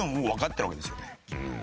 うん。